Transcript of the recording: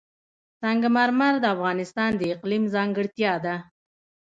سنگ مرمر د افغانستان د اقلیم ځانګړتیا ده.